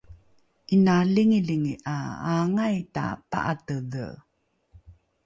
’ina lingilingi ’a aangai tapa’atedhe?